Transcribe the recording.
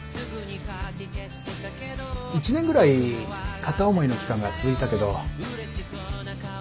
１年ぐらい片思いの期間が続いたけど。